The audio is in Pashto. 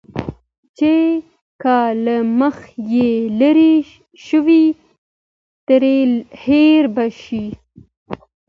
چې که له مخه يې لرې شوې، ترې هېر به شې.